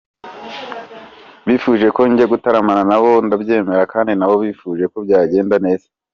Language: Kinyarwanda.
Bifuje ko njya gutaramana nabo , ndabyemera kandi ndabyizeye ko bizagenda neza.